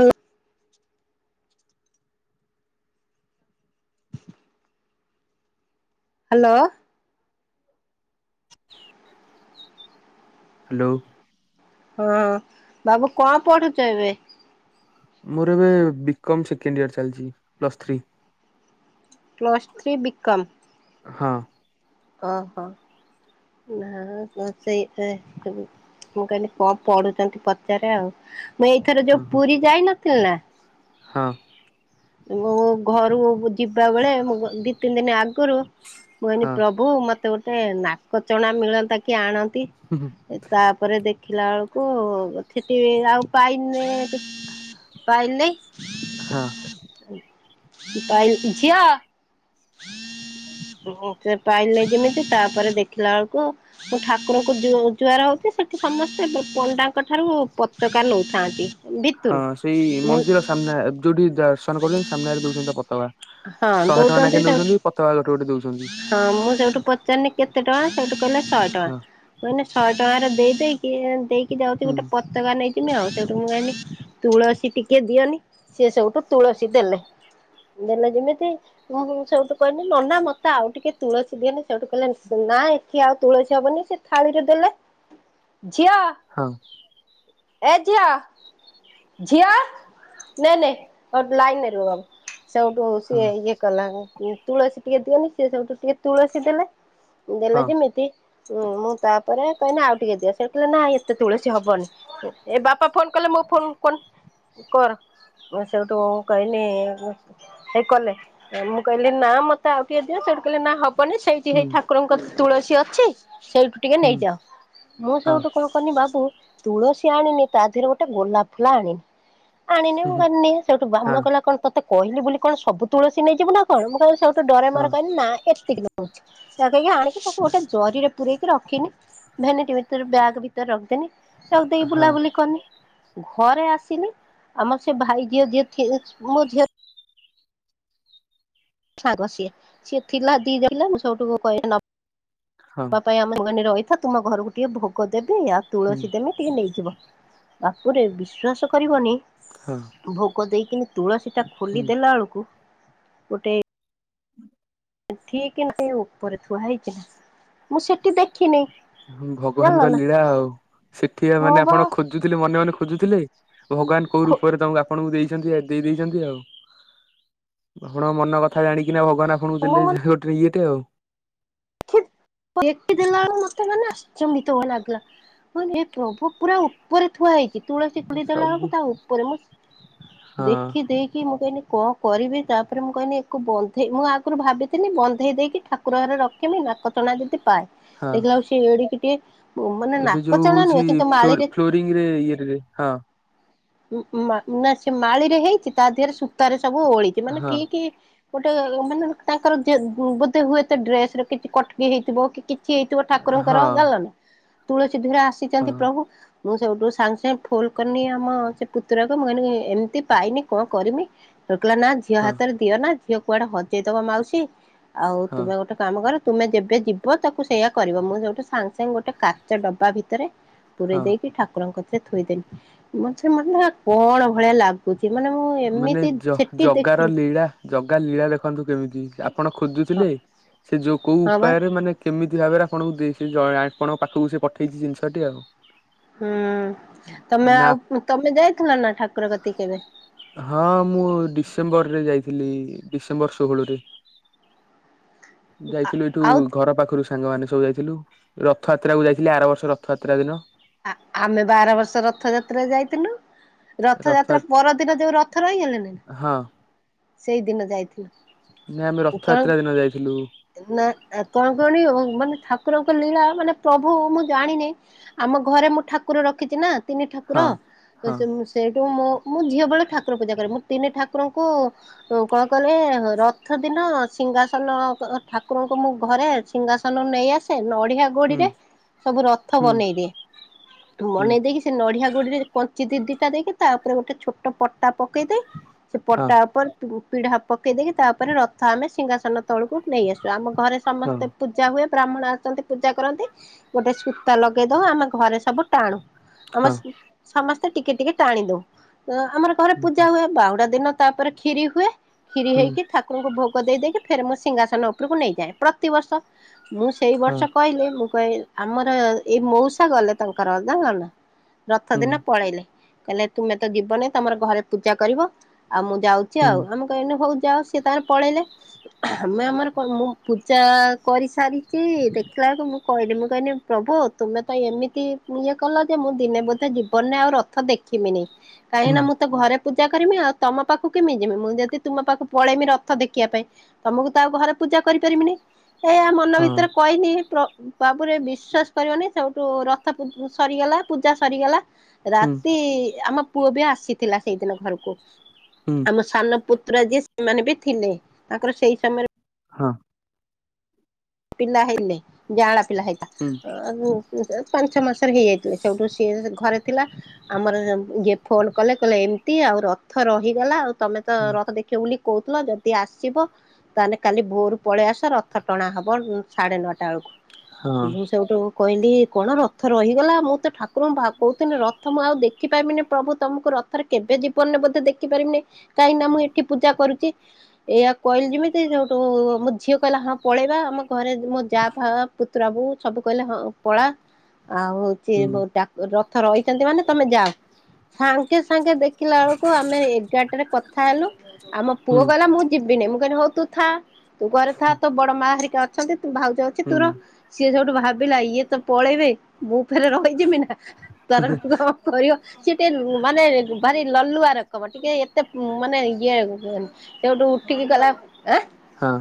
Hello. Hello. Hello. ହଁ ବାବୁ କଣ ପଢୁଛ ଏବେ? ମୋର ଏବେ ବିକମ୍ ସେକେଣ୍ଡ୍ ଇଅର ଚାଲିଛି plus three. Plus three BCom. ହଁ। ଅ ହୋ ନା ସେଇ ମୁଁ କହିଲି କଣ ପଢୁଛନ୍ତି ପଚାରେ ଆଉ? ମୁଁ ଏଇଥର ହଁ ଯୋଉ ହଁ ପୁରୀ ଯାଇନଥିଲି ନା ହଁ। ମୁଁ ଘରୁ ଯିବା ବେଳେ ମୁଁ ଦି ତିନି ଦିନ ଆଗରୁ ମୁକହିନି ହଁ ପ୍ରଭୁ ମତେ ଗୋଟେ ନାକ ଚଣା ମିଳନ୍ତା କି ଆଣନ୍ତୁ ହୁଁ ହୁଁ, ତାପରେ ଦେଖିଲା ବେଳକୁ ଥେଠି ଆଉ ପାଇନିନେଇ ପାଇଲି। ହଁ ପାଇଲି, ଝିଅ? ହୁଁ ସେ ପାଇଲି ଲେଇ ଯେମିତି ତାପରେ ଦେଖିଲା ବେଳକୁ ମୁଁ ଠାକୁରଙ୍କୁ ଜୁ ଜୁଆର ହଉଛି, ସେଠି ସମସ୍ତେ ପଣ୍ଡାଙ୍କ ଠାରୁ ପତକା ନେଉଥାନ୍ତି ହଁ ସେଇ ମନ୍ଦିର ସାମ୍ନା ଯୋଉଠି ଦର୍ଶନ କରୁଛନ୍ତି, ସାମ୍ନାରେ ଦଉଛନ୍ତି ପତକା। ହଁ ଦଉଛନ୍ତି। ସେଠୁ ଛନ୍ତି ପତାକା ଗୋଟେ ଗୋଟେ ଦଉଛନ୍ତି। ହଁ ମୁଁ ସେଇଠୁ ପଚାରିନି କେତେ ଟଙ୍କା ସେଇଠୁ କହିଲେ, ଶହେ ଟଙ୍କା ହଁ ମୁ କହିନି ଶହେ ଟଙ୍କାରେ ଦେଇ ଦେଇକି ଦେଇକି ଯାଉଛି ହୁଁ ଗୋଟେ ପତାକା ନେଇଯିମି ଆଉ ସେଇଠୁ ମୁଁ କହିନି ତୁଳସୀ ଟିକେ ଦିଅନି ସିଏ, ସେଉଠୁ ତୁଳସୀ ଦେଲେ ଦେଲେ ଯେମିତି ମୁଁ ସେଇଠୁ କହିନି ନନା ମତେ ତ ଆଉ ଟିକେ ତୁଳସୀ ଦିଅନି ସେଉଠୁ କହିଲେ ନା ଏଠି ଆଉ ତୁଳସୀ ହବନି ସେ ଥାଳିରେ ଦେଲେ ଝିଅ! ହଁ ଏ ଝିଅ ଝିଅ ନେ ନେ ଲାଇନ ରେ ରୁହ। ସେଉଠୁ ହଁ ସିଏ ଇଏ କଲା ତୁଳସୀ ଟିକେ ଦିଅନି ସେ ସେଉଠୁ ଟିକେ ତୁଳସୀ ଦେଲା ଦେଲେ ହଁ ଯେମିତି ହୁଁ ମୁଁ ତାପରେ କହିନି, ଆଉ ଟିକେ ଦିଅ ସେ କହିଲେ ନାଇ ଏତେ ତୁଳସୀ ହବନି ଏ ବାପା ଫୋନ କଲେ ଫୋନ୍ କରନି କର। ମୁଁ ସେଇଠୁ କହିନି ହେଇ କଲେ ମୁଁ କହିଲି ନା ମତେ ଆଉ କିଏ ସିଏ ସେଉଠି କହେ ନା ହବନି ସେଇଠି ହୁଁ ହେଇ ଠାକୁରଙ୍କ କତିରେ ତୁଳସୀ ଅଛି ସେଇଠୁ ଟିକେ ହୁଁ ନେଇଯାଅ ମୁଁ ହଁ ସେଉଠୁ କଣ କନି ବାବୁ ତୁଳସୀ ଆଣିନି ତା ଦେହରେ ଗୋଟେ ଗୋଲାପ ଫୁଲ ଆଣିନି ଆଣିନି ହୁଁ ମୁଁ ହୁଁ ଗନି ସେଠୁ ବ୍ରାହ୍ମଣ ହଁ କହିଲା କଣ ତତେ କହିଲି ବୋଲି କଣ ସବୁ ତୁଳସୀ ନେଇଯିବୁ ନା କଣ? ମୁଁ କହିଲି ସେଠୁ ତ ଡରେ ହଁ ମରେ କହିନି ନା ଏତିକି ନଉଛି ଏହା କହିକି ଆଣିକି ତାକୁ ଗୋଟେ ଜରିରେ ପୁରରେଇକି ରଖିନି ଭେନିଟ୍ ଭିତରେ ବ୍ୟାଗ୍ ଭିତରେ ରଖିଦେନି ରଖିଦେଇକି ହଁ ବୁଲାବୁଲି କନି ଘରେ ଆସିଲି ଆମର ସେଇ ଭାଇ ଝିଅ ଯିଏ ଥି ମୋ ଝିଅ ସାଙ୍ଗ ସିଏ ସିଏ ଥିଲା ଦି ରହିଲା ମୁଁ ସେଉଠୁ କହିନି ନ ହଁ ନବା ପାଇଁ ଆମେ ମୁ କହିନି ରହିଥ ତୁମ ଘରକୁ ଟିକେ ଭୋଗ ଦେବି, ଆଉ ହୁଁ ତୁଳସୀ ଦେମି ଟିକେ ନେଇଯିବ। ବାପୁରେ ବିଶ୍ଵାସ କରିବନି ହଁ ଭୋଗ ଦେଇକିନି ତୁଳସୀ ସେଟା ହୁଁ ଖୋଲିଦେଲା ବେଳକୁ ଗୋଟେ ହଁ [unintelligible] ଏଠ କି ନାଇ ଉପରେ ଥୁଆ ହେଇଛି ନା ମୁଁ ସେଠି ଦେଖିନେଇ। ଭଗବାନଙ୍କ ଲୀଳା ଆଉ ସେଠି ହଁ ମାନେ ବା ଆପଣ ଖୋଜୁଥିଲେ ମନେ ମନେ ଖୋଜୁଥିଲେ। ଭଗବାନ କୋଉ ରୂପରେ ତମକୁ ଆପଣଙ୍କୁ ଦେଇ ଯେମିତି ଆଜି ଦେଇ ଦେଇଛନ୍ତି ଆଉ ହଣ ମନ କଥା ଜାଣିକିନା ଭ ଭଗବାନ ଆପଣଙ୍କୁ ମୁଁ ଦେଲେ ମାନେ ଯୋଉ ଗୋଟେ ଇଏଟେ ଆଉ। ଦେଖି ଦେଲା ବେଳକୁ ମତେ ମାନେ ଅଶ୍ରଚିତ ଲାଗିଲା। ହଁ ଏ ପ୍ରଭୁ ପୁରା ଉପରେ ଥୁଆ ହେଇଛି। ତୁଳସୀଖୁଲି ଦେଲା ବେଳକୁ ସବୁ ତା ଉପରେ ମୁଁ ହଁ ଦେଖି ଦେଇକି ମୁଁ କହିିନି କଣ କରିବି ତାପରେ ମୁଁ କହିଲି ଆକୁ ବନ୍ଧେଇ ମୁଁ ଆଗରୁ ଭାବିଥିଲି ବନ୍ଧେଇ ଦେଇକି ଠାକୁର ଘରେ ରଖିମି ନା କଟ ନା ଯଦି ପାଏ ହଁ ଦେଖିଲା ସେ ଏଡିକି ଟିକେ ମାନେ ଏବେ ଯୋଉ ନାକଚଣା ନୁହେଁ ହଉଛି କିନ୍ତୁ ମାଳିରେ ଫ୍ଲୋରିଂ ରେ ଇଏରେ ହଁ। ନା ସେ ମାଳିରେ ହେଇଛି ତା ଦେହରେ ସୂତାରେ ସବୁ ଓହଳିଛି ମାନେ ହଁ ଠିକି ଗୋଟେ ମାନେ ତାଙ୍କର ବୋଧେ ହୁଏତ ଡ୍ରେସ କିଛି କଟକି ହେଇଥିବ ତ କିଛି ହେଇଥିବ ଠାକୁରଙ୍କର ହଁ ଯାଣିଲନା ତୁଳସୀ ଧୂରେ ହଁ ଆସିଛନ୍ତି ପ୍ରଭୁ ମୁଁ ସବଠୁ ସାଙ୍ଗେ ସାଙ୍ଗେ ଫୁଲ କରିନି ଆମ ସେ ପୁତୁରାକୁ ମୁଁ କହିନି ଏମିତି ପାଇନି କଣ କରିମି କହିଲା ନା ଝିଅ ହଁ ହାତରେ ଦିଅ ନା ଝିଅ କୁଆଡେ ହଜେଇ ଦବ ମାଉସୀ ଆଉ ହଁ ତୁମେ ଗୋଟେ କାମ କର ତୁମେ ଯେବେ ଯିବ ତାକୁ ସେଇୟା କରିବ ମୁଁ ଯୋଉଠୁ ସାଙ୍ଗ ସାଙ୍ଗେ ଗୋଟେ କାଚ ଡବା ଭିତରେ ପୂରେଇ ହଁ ଦେଇକି ଠାକୁରଙ୍କ କତିରେ ଥୋଇଦେଲି ସେ ମ କଣ ଭଳିଆ ଲାଗୁଛି? ମାନେ ମୁଁ ମାନେ ଏମିତି ସେଠି ଜଗାର ଦେଖିନି। ଲୀଳା ଜଗା ଲୀଳା ଦେଖନ୍ତୁ କେମିତି। ଆପଣ ହଁ ଖୋଜୁଥିଲେ ସେ ଯୋଉ କୋଉ ହଁ ବା ଉପାୟରେ ମାନେ କେମିତି ଭାବରେ ଆପଣଙ୍କୁ ଦେଇ ଆପଣଙ୍କ ପାଖକୁ ସେ ପଠେଇଛି ଜିନିଷଟି ଆଉ। ହୁଁ ତମେ ନା ଆଉ ତମେ ଯାଇଥିଲ ନା ଠାକୁର କତିକି କେବେ? ହଁ ମୁଁ ଡିସେମ୍ବରରେ ଯାଇଥିଲି ଡିସେମ୍ବର ଷୋହଳରେ। ଯାଇଥିଲୁ ଏଇଠୁ ଆଉ ଘର ପାଖରୁ ସାଙ୍ଗମାନେ ସବୁ ଯାଇଥିଲୁ ରଥଯାତ୍ରା କୁ ଯାଇଥିଲି ଆର ବର୍ଷ ରଥଯାତ୍ରା ଦିନ। ଆମେ ପା ଆର ବର୍ଷ ରଥଯାତ୍ରା ଯାଇଥିନୁ। ରଥ ରଥଯାତ୍ରା ପରଦିନ ଯୋଉ ରଥ ରହିଗଲେନି ନା ହଁ ସେଇଦିନ ଯାଇଥିଲୁ। ନାଇଁ ଆମେ କଣ ରଥଯାତ୍ରା ଦିନ ଯାଇଥିଲୁ ନା କଣ କୁହନି ମାନେ ଠାକୁରଙ୍କ ଲୀଳା ମାନେ ପ୍ରଭୁ ମୁଁ ଜାଣିନି ଆମ ଘରେ ମୁଁ ଠାକୁର ରଖିଛି ନା। ତିନି ଠାକୁର ହଁ ହଁ ସେଇଠୁ ମୁଁ ମୁଁ ଝିଅ ବେଳେ ଠାକୁର ପୂଜା କରେ ମୁଁ ତିନି ଠାକୁରଙ୍କୁ କଣ କଲେ ରଥ ଦିନ ସିଂହାସନ ଠାକୁରଙ୍କୁ ମୁଁ ଘରେ ସିଂହାସନ ନେଇ ଆସେ। ନଡିଆ ହୁଁ ଗୋଡିରେ ସବୁ ରଥ ହୁଁ ବନେଇଦିଏ। ହୁଁ ମନେଇ ଦେଇକି ସେ ନଡିଆ ଗୋଡିରେ ଯୋଉ କଞ୍ଚି ଦି ଦିଟା ଦେଇକି ତା ଉପରେ ଗୋଟେ ଛୋଟ ପଟା ପକେଇ ଦେଇ ସେ ହଁ ପଟା ଉପରେ ପିଢ଼ା ପକେଇ ଦେଇକି ତାଉପରେ ରଥ ଆମେ ସିଂହାସନ ତଳକୁ ନେଇ ଆସୁ ଆମ ଘରେ ହଁ ସମସ୍ତେ ପୂଜା ହୁଏ। ବ୍ରାହ୍ମଣ ଆସନ୍ତି ପୂଜା କରନ୍ତି ଗୋଟେ ସୂତା ଲଗେଇ ଦଉ ଆମେ ଘରେ ସବୁ ଟାଣୁ। ଆମ ହଁ ସମସ୍ତେ ଟିକେ ଟିକେ ଟାଣି ଦଉ ଆମର ଘରେ ପୂଜା ହୁଏ ବାହୁଡା ଦିନ ତାପରେ କ୍ଷୀରି ହୁଏ କ୍ଷୀରି ହୁଁ ହେଇକି ଠାକୁରଙ୍କୁ ଭୋଗ ଦେଇଦେଇକି ଫେରେ ମୁଁ ସିଂହାସନ ଉପରକୁ ନେଇଯାଏ ପ୍ରତିବର୍ଷ ମୁଁ ସେଇ ହଁ ବର୍ଷ କହିଲେ ମୁଁ କହି ଆମର ଏଇ ମଉସା ଗଲେ ତାଙ୍କର ଯାଣିଲ ନା ରଥ ହୁଁ ଦିନ ପଳେଇଲେ। କହିଲେ ତୁମେ ତ ଯିବନି ତମର ଘରେ ପୂଜା କରିବ ଆଉ ମୁଁ ଯାଉଛି ହୁଁ ଆଉ ଆମେ କହିଲେ ହଉ ଯାଅ ସେ ତାଙ୍କର ପଳେଇଲେ ଆମେ ଆମର ମୁଁ ପୂଜା କରିସାରିଛି ଦେଖିଲା ବେଳକୁ ମୁଁ କହିଲି ମୁଁ କହିଲି ପ୍ରଭୁ ତୁମେ ତ ଏମିତି ଇଏ କଲ ଯେ ମୁଁ ଦିନେ ବୋଧେ ଜୀବନରେ ଆଉ ରଥ ଦେଖିବିନି। କାହିଁକି ହୁଁ ନା ମୁଁ ତ ଘରେ ପୂଜା କରିମି ଆଉ ତମ ପାଖକୁ କେମି ଯିବି ମୁଁ ଯଦି ତମ ପାଖକୁ ପଳେଇମି ରଥ ଦେଖିବା ପାଇଁ ତମକୁ ତା ଘରେ ପୂଜା କରିପାରିବିନି ଏ ମନ ହଁ ଭିତରେ କହିନି ବାବୁରେ ବିଶ୍ଵାସ କରିବନି ସେଉଠୁ ରଥ ସରିଗଲା ପୂଜା ସରିଗଲା ହୁଁ ରାତି ଆମ ପୁଅ ବି ଆସିଥିଲା ସେଇଦିନ ଘରକୁ ହୁଁ ଆମ ସାନ ପୁତ୍ର ଯିଏ ସେମାନେ ବି ଥିଲେ ତାଙ୍କର ସେଇ ସମୟରେ ହଁ। ପିଲା ହେଇଲେ ଜାଳା ପିଲା ହୁଁ ହେଇଥିଲା ପାଞ୍ଚ ମାସରେ ହେଇଯାଇଥିଲେ ସେଇଠୁ ସିଏ ଘରେ ଥିଲା, ଆମର ଇଏ ଫୋନ୍ କଲେ କହିଲେ ଏମିତି ଆଉ ରଥ ରହିଗଲା ଆଉ ତମେ ତ ରଥ ଦେଖିବା ବୋଲି କହୁଥିଲ ଯଦି ଆସିବ ତାହେଲେ କାଲି ଭୋରୁ ପଳେଇ ଆସ ରଥ ଟଣା ହବ ବ ସାଢେ ନଅଟା ବେଳକୁ ହଁ ମୁଁ ସେଇଠୁ କହିଲି କଣ ରଥ ରହିଗଲା ମୁଁ ତ ଠାକୁ କଣ କହୁଥିଲେ ରଥମ ଆଉ ଦେଖି ଦେଖିପାରିବିନି ପ୍ରଭୁ ତମକୁ ରଥରେ କେବେ ଜୀବନରେ ବୋଧ ଦେଖିପାରିବିନି କାହିଁକି ନା ମୁଁ ଏଠି ପୂଜା କରୁଛି ଏଇଆ କହିଲି ଯେମିତି ଯୋଉଠୁ ଆମ ଝିଅ କହିଲା ହଁ ପଳେଇବା ଆମ ଘରେ ମୋ ଯାହା ଫ ପୁତୁରାବୁ ସବୁ କହିଲେ ହଁ ପଳା ଆଉ ହଉଛି ହୁଁ ରଥ ରହିଛନ୍ତି ମାନେ ତମେ ଯାଅ ସାଙ୍ଗେ ସାଙ୍ଗେ ଦେଖିଲା ବେଳକୁ ଆମେ ଏଗାରଟାରେ କଥା ହେଲୁ ଆମ ପୁଅ ହୁଁ ଗଲା ମୁଁ ଯିବିନି ମୁ ହଉ ତୁ ଥା ତୁ ଘରେ ଥା ତ ବଡ ମା ହେରିକ ଅଛନ୍ତି ତ ଭାଉଜ ଅଛ ହୁଁ ତର ସିଏ ସବଠୁ ଭାବିଲା ଇଏ ତ ପଳେଇବେ ମୁଁ ଫେରେ ରହିଯିବି ନା ତ କ କରିବ ସେ ଟେ ମାନେ ଭାରି ଲଲୁଆ ରକମ ଟିକେ ଏତେ ମାନେ ଇଏ ସେଠୁ ଉଠିକି ଗଲା ହଁ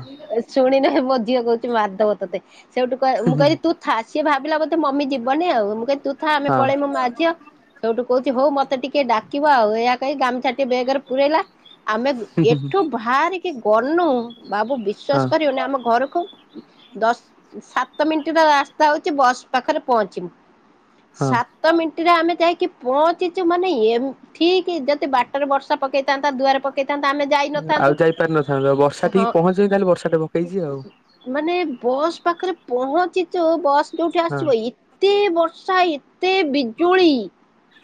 ଶୁଣି ନେ ଝିଅ କହୁଛି ମାଧବ ତତେ ସେଇଠୁ କ ମୁଁ ହଁ କିଲି ତୁ ଥା ସି ଭାବା ବୋତେ ମମି ଯିବନି ଆଉ ମୁଁ କି ତୁଥା ଆମେ ପଳେଇମୁ ମାଝି ସେୋଠୁ କହୁଛି ହଉ ମତେ ଟିକେ ଡାକିବ ଆଉ ଏହା କହି ଗାମିଛା ଟିକେ ବେଗରେ ପୁରଇଲା ଆମେ ହଁ ଏଠୁ ବାହାରିକି ଗନୁ ବାବୁ ବିଶ୍ଵାସ କରିବୁନି ଆମ ଘରକୁ ଦଶ ସାତ ମିନିଟ ର ରାସ୍ତା ହଉଛି ବସ୍ ପାଖରେ ପହଞ୍ଚମି ହଁ ସାତ ମିନିଟରେ ଆମେ ଯାଇକି ପହଞ୍ଚିଛୁ ମାନେ ଠିକ ଯଦି ବାଟରେ ବର୍ଷା ପକେଇଥାନ୍ତା ଦୁଆରେ ପକେଇ ଆଉ ଯାଇପାରିନଥାନ୍ତେ ଆଉ ବର୍ଷା ଟିକେ ହଁ ପହଞ୍ଚେଇନି ତାହଲେ ବର୍ଷା ଟା ପକେଇଛି ଆଉ। ମାନେ ବସ୍ ପାଖରେ ପହଞ୍ଚି ତ ବସ୍ ଯଉଠି ହଁ ଆସିବ ଏତେ ବର୍ଷା ସେ ବିଜୁଳି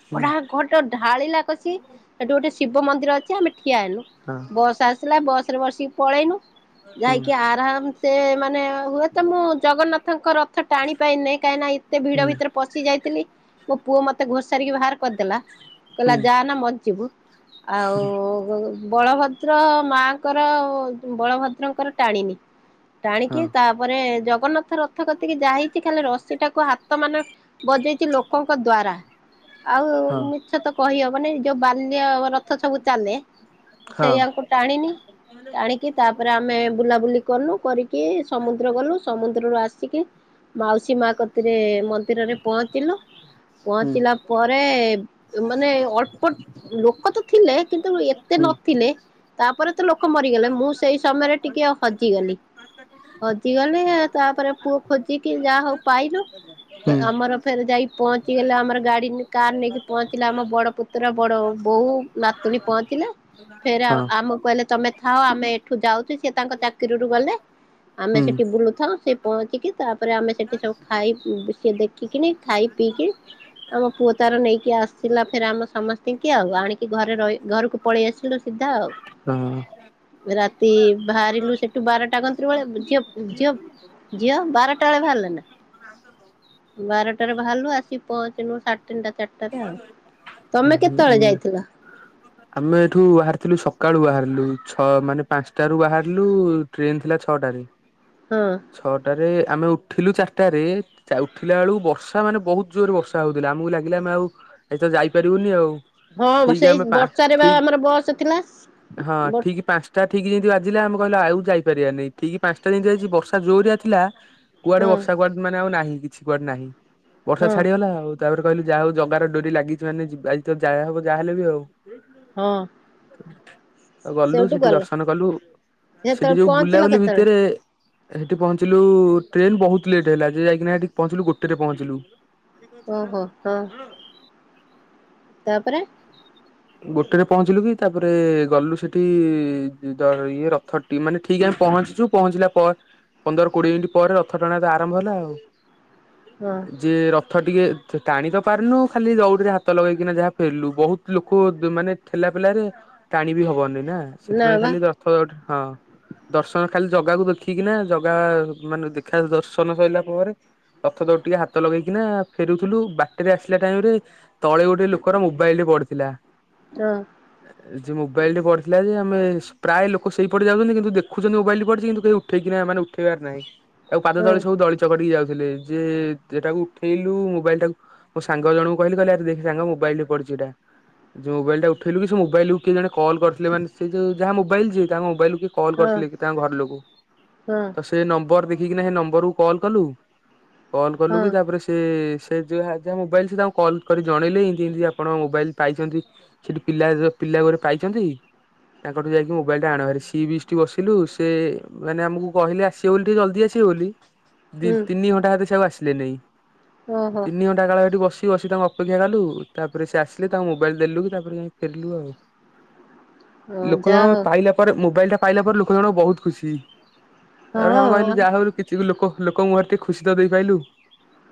ହୁଁ ଗଟା ଘର ଢାଳିିଲା କସି ସେଠି ଗୋଟେ ଶିବ ମନ୍ଦିର ଅଛି ଆମେ ଠିଆନୁ ହଁ ବସ ଆସିଲା ବସ ରେ ବସିକି ପଳେଇନୁ ହୁଁ ଯାଇକି ଆରାମ ସେ ମାନେ ହୁଏତ ମୁଁ ଜଗନ୍ନାଥଙ୍କ ରଥ ଟାଣିପ ନାହିଁ କାହିଁକିନା ଏତେ ଭିଡ ହୁଁ ଭିତରେ ପଶି ଯାଇଥିଲି ମୋ ପୁଅ ମତେ ଘୁ ସାରିକି ବାହାର କରିଦେଲା କହିଲା ହୁଁ ଯା ନା ମଞ୍ଚିବୁ ଆଉ ବଳଭଦ୍ର ମାଙ୍କର ବଳଭଦ୍ରଙ୍କର ଟାଣିନି ଟାଣିକି ହଁ ତାପରେ ଜଗନ୍ନାଥ ରଥ କତିକି ଯାହା ହେଇଛି ଖାଲି ରଶି ଟାକୁ ହାତ ମାନ ବଜେଇଛି ଲୋକଙ୍କ ଦ୍ଵାରା ଆଉ ହଁ ମିଛ ତ କହିବ ମାନେ ଯୋଉ ବାଲ୍ୟ ରଥ ସବୁ ଚାଲେ ହଁ ସେଇଆଙ୍କୁ ଟାଣିନି ଟାଣିକି ତାପରେ ଆମେ ବୁଲାବୁଲି କଲୁ କରିକି ସମୁଦ୍ର ଗଲୁ ସମୁଦ୍ରରୁୁ ଆ ଆସିକ ମାଉସୀ ମା କତିରେ ମନ୍ଦିରରେ ପହଞ୍ଚିଲୁ ହୁଁ ପହଞ୍ଚିଲା ପରେ ମାନେ ଅଳ୍ପ ଲୋକ ତ ଥିଲେ କିନ୍ତୁ ଏତେ ହୁଁ ନଥିଲେ ତାପରେ ତ ଲୋକ ମରିଗଲେ ମୁଁ ସେଇ ସମୟରେ ଟିକେ ହଜିଗଲି ହଜିଗଲେ ତାପରେ ପୁଅ ଖୋଜିକି ଯାହା ହଉ ପାଇଲୁ ହୁଁ ତ ଆମର ଫେର ଯାଇକି ପହଞ୍ଚିଗଲେ ଆମର ଗାଡି କାର ନେଇକି ପହଞ୍ଚିଲେ ଆମ ବଡ ପୁତ୍ର ବଡ ହଉ [inaudible] ଫେରେ ଆ ଆମକୁ କହିଲେ ତମେ ଥାଅ ଆମେ ଏଠୁ ଯାଉଚୁ ସେ ତାଙ୍କ ଚାକିରିରୁ ଗଲେ। ଆମେ ହୁଁ ସେଠି ବୁଲୁଥାଉ ସେ ପହଞ୍ଚିକି ତାପରେ ଆମେ ସେଠି ସବୁ ଖାଇ ସିଏ ଦେଖିକିନି ଖାଇ ପିଇ ଆମ ପୁଅ ତାର ନେଇକି ଆସିଲା ଫେରେ ଆମ ସମସ୍ତିଙ୍କି କି ଆଉ ଆଣିକି ଘରେ ରହି ଘରକୁ ପଳେଇ ଆସିଲୁ ସିଧା ଆଉ। ହଁ। ରାତି ବାହାରିଲୁ ସେଠୁ ବାରଟା ଗ ସେତେବେଳେ ଝିଅ ଝିଅ ଝିଅ ବାରଟା ବେଳେ ବାହାରିଲେ ନା? ବାରଟାରେ ବାହାରିଲୁ ଆସିିକି ପହଞ୍ଚିଲୁ ସାଢେ ତିନିଟା ଚାରିଟାରେ ଆଉ। ତମେ କେତେବେଳେ ହୁଁ। ଯାଇଥିଲ? ଆମେ ଏଠୁ ବାହାରିଥିଲୁ ସକାଳୁ ବାହାରିଲୁ ଛ ମାନେ ପାଞ୍ଚଟାରୁୁ ବାହାରିଲୁ ଟ୍ରେନ ଥିଲା ଛଅଟା ଚାରି ହଁ ଛଅଟାରେ ଆମେ ଉଠିଲୁ ଚାରିଟାରେ ଉଠିଲା ବେଳକୁ ବର୍ଷା ମାନେ ବହୁତ ଜୋରରେ ବର୍ଷା ହେଉଥିଲା ଆମକୁ ଲାଗିଲା ଆମେ ଆଉ ଏଇ ତ ଯାଇପାରିବୁନି ଆଉ ହଁ, ଠିକ ସେଇ ଆମେ ପା ବର୍ଷା ରେ ବା ଠିକ ଆମର ବସ ଥିଲା। ହଁ, ବର୍ ଠିକ ପାଞ୍ଚଟା ଠିକ ଯେମିତି ବାଜିଲା ଆମେ କହିଲୁ ଆଉ ଯାଇପାରିବାନି ଠିକି ପାଞ୍ଚଟା ଯେମିତି ହେଇଛି ବର୍ଷା ଜୋରରିଆ ଥିଲା କୁଆଡେ ହଁ ବର୍ଷା କୁଆଡେ ମାନେ ଆଉ ନାହିଁ କିଛି କୁଆଡେ ନାହିଁ ବର୍ଷା ହଁ ଛାଡିଗଲା ଆଉ ତାପରେ କହିଲି ଯାହା ହଉ ଜଗାର ଡୋରି ଲାଗିଛି ମାନେ ଯିବା ଆଜି ତ ଯାଆ ହବ ଯାହା ହେଲେ ବି ଆଉ। ହଁ ଆଉ ଗଲୁ ସେଇଠୁ ସେଠି ଗଲ ଦର୍ଶନ କଲୁ ସେତେବେଳେ ସେଠି ଯୋଉ ପହଞ୍ଚିଲ ବୁଲାବୁଲି କେତେବେଳେ? ଭିତରେ ହେଠି ପହଞ୍ଚିଲୁ ଟ୍ରେନ ବହୁତ ଲେଟ୍ ହେଲା ଯେ ଯାଇକିନା ହେଠି ପହଞ୍ଚିଲୁ ଗୋଟେରେ ପହଞ୍ଚିଲୁ। ଓହୋ ହଁ ତାପରେ ଗୋଟେରେ ପହଞ୍ଚିଲୁ କି ତାପରେ ଗଲୁ ସେଠି ଇଏ ରଥ ମାନେ ଠିକ ଆମେ ପହଞ୍ଚିଚୁ ପହଞ୍ଚିଲା ପରେ ପନ୍ଦର କୋଡିଏ ମିନିଟ୍ ପରେ ରଥ ଟାଣା ତ ଆରମ୍ଭ ହେଲା ଆଉ। ହଁ ଯେ ର ରଥ ଟିକେ ଟାଣି ତ ପାରୁନୁ ଖାଲି ଦଉଡିରେ ହାତ ଲଗେଇକିନା ଯାହା ପେଲୁ ବହୁତ ଲୋକ କୁ ମାନେ ଠେଲା ପେଲାରେ ଟାଣି ବି ହବନି। ନା ନା ସେଥିପାଇଁ ବା ଖାଲି ରଥ ହଁ, ଦର୍ଶନ ଖାଲି ଜଗାକୁ ଦେଖିକିନା ଜଗା ମାନେ ଦେଖା ଦର୍ଶନ ସରିଲା ପରେ ରଥ ଦଉଡ଼ି ଟିକେ ହାତ ଲଗେଇକିନା ଫେରୁଥିଲୁ ବାଟରେ ଆସିଲା ଟାଇମ ରେ ତଳେ ଗୋଟେ ଲୋକର ମୋବାଇଲ ଟେ ପଡିଥିଲା। ହଁ। ଯେ ମୋବାଇଲ ଟେ ପଡିଥିଲା ଯେ ଆମେ ପ୍ରାୟ ଲୋକ ସେଇ ପଟେ ଯାଉଛନ୍ତି କିନ୍ତୁ ଦେଖୁଛନ୍ତି ମୋବାଇଲ ପଡ଼ିଛି କିନ୍ତୁ କେହି ଉଠେଇକିନା ମାନେ ଉଠେଇବାର ନାହିଁ ଆଉ ପାଦ ହଁ ତଳି ସବୁ ଦଳି ଚକିଟି କି ଯାଉ ଯେ ଏଟାକୁ ଉଠେଇଲୁ ମୋବାଇଲ ଟାକୁ ମୋ ସାଙ୍ଗ ଜଣଙ୍କୁ କହିଲି କହ ଆ ଦେଖ ସାଙ୍ଗ ମୋବାଇଲ ରେ ପଡ ଟା ଯୋଉ ମୋବାଇଲ ଟା ଉଠେଇଲୁ ସେ ମୋବାଇଲକୁ କିଏ ଜଣେ କଲ କରିଥିଲେ ମାନେ ସେଇ ଯଉ ଯାହା ମୋବାଇଲ ଯିଏ ଯାହା ମୋବାଇଲକୁ କିଏ କଲ୍ ହଁ କରିଥିଲେ କି ତାଙ୍କ ଘର ଲୋକ ହଁ ତ ସେ ନମ୍ବର ଘି କିନା ନମ୍ବର କୁ କଲ କଲୁ କଲ କଲୁ ହଁ କି ତାପରେ ସେ ସେ ଯାହା ମୋବାଇଲ୍ ସେ ତାଙ୍କୁ କଲ୍ କରି ଜଣେଇଲି କିମିତି ଆପଣ ମୋବାଇଲ୍ ପାଇଛନ୍ତି ସେଠି ପିଲା ପିଲା ଘୋରେ ପାଇଛନ୍ତି। ତାଙ୍କଠୁ ଯାଇକି ମୋବାଇଲ ଟା ଆଣ ସି ବିଚ୍ ଟି ବସିଲୁ ସେ ମାନେ ଆମକୁ କହିଲେ ଆସିବ ବୋଲି ଟିକେ ଜଲଦି ଆସିବ ଦି ହୁଁ ତିନି ଘଣ୍ଟା ହେବେ ସିଏ ଆଉ ଆସିଲେନି। ଓହୋ ତିନି ଘଣ୍ଟା କାଳ ଏଠି ବ ସେଟି ବସି ତାଙ୍କୁ ଅପେକ୍ଷା କଲୁ ତାପରେ ସେ ଆସିଲେ ତାଙ୍କୁ ମୋବାଇଲ ଦେଲୁ ତାପରେ ଯାଇ ଫେରିଲୁ ଆଉ ହଁ ଲୋକ ଜଣଙ୍କ ଯାହା ପାଇଲା ପରେ ମୋବାଇଲ ଟା ପାଇଲା ପରେ ଲୋକ ଜଣଙ୍କ ବହୁତ ଖୁସି। ତାପରେ ହଉ ଆମେ ହଁ କହିଲୁ ଯାହା ହଉ କିଛି ଲୋକ ଲୋକଙ୍କୁ ଘରେ ଟିକେ ଖୁସି ତ ଦେଇପାଇଲୁ।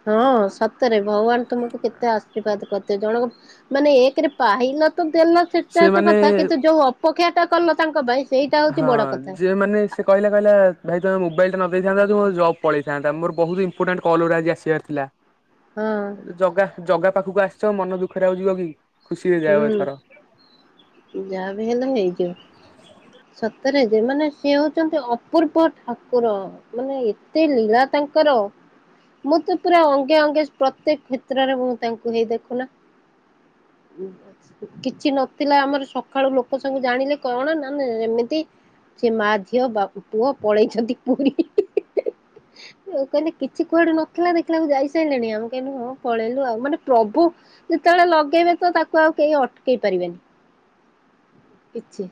ହଁ, ସତରେ ଭଗବାନ ତୁମକୁ କେତେ ଆଶୀର୍ବାଦ କରି ସେ ଜଣଙ୍କ ମାନେ ଏକରେ ପାହି ନ ତ ତେଲ ଛିଟା ତ ସେମାନେ କଥା କିନ୍ତୁ ଯୋଉ ଅପେକ୍ଷାଟା କଲ ତାଙ୍କ ପାଇଁ? ସେଇଟା ହଉଛି ବଡ ହଁ, କଥା ଯେଉଁ ମାନେ ସେ କହିଲା କହିଲା ଭାଇ ତମେ ମୋବାଇଲଟା ନ ଦେଇଥାନ୍ତ ଯଦି ମୋ ଯବ୍ ପଳେଇଥାନ୍ତା। ମୋର ବହୁତ ଇମ୍ପୋଟାଣ୍ଟ କଲ ଗୁଡା ଆଜି ଆସିବାର ଥିଲା। ହଁ ଜଗା ଜଗା ପାଖକୁ ଆସିଛ, ମନ ଦୁଃଖରେ ଆଉ ଯିବ କି? ଖୁସିରେ ଯାଅ ଏଥର। ହୁଁ ଯାହା ବି ହେଲେ ହେଇଯିବ। ସତରେ ଯେ ମାନେ ସେ ହଉଛନ୍ତି ଅପୂର୍ବ ଠାକୁର ମାନେ ଏତେ ଲୀଳା ତାଙ୍କର ହାଲୋ। ମୁଁ ତ ପୁରା ଅଙ୍ଗେ ଅଙ୍ଗେ ପ୍ରତ୍ୟେକ କ୍ଷେତ୍ରରେ, ମୁଁ ତାଙ୍କୁ ହେଇ ଦେଖୁନା କିଛି ନଥିଲା ଆମର ସକାଳୁ ଲୋକ ସବୁ ଜାଣିଲେ କଣ ନା ଆମେ ଏମିତି ସେ ମା ଝିଅ ବାପ ପୁଅ ପଳେଇଛନ୍ତି ପୁରୀ। ହିଁ- ହିଁ- ହିଁ ମୁଁ କହିଲି କିଛି କୁଆଡୁ ନଥିଲା ଦେଖିଲା ବେଳକୁ ଯାଇ ସାଇଲେଣି, ଆମେ କହିଲୁ ହଁ ପଳେଇଲୁ ଆଉ ମାନେ ପ୍ରଭୁ ଯେତେବେଳେ ଲଗେଇବେ ତ ତାକ କୁ ଆଉ କେହି ଅଟକେଇ ପାରିବେନି। କିଛି